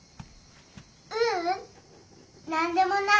ううんなんでもない。